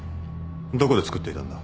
どこで作っていたんだ？